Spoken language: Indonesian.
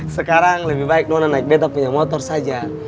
sekarang lebih baik nona naik besok punya motor saja